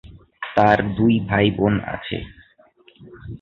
তার দুই ভাই-বোন আছে।